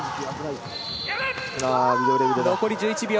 残り１１秒。